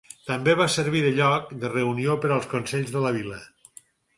També va servir de lloc de reunió per al Consell de la Vila.